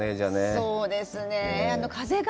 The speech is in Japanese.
そうですねえ。